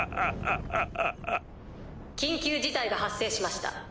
緊急事態が発生しました。